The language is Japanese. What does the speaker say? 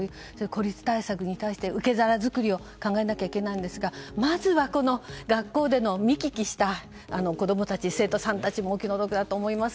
孤立対策に対して受け皿づくりを考えなきゃいけないんですがまずはこの学校での見聞きした子供たち、生徒さんたちも気の毒だと思います。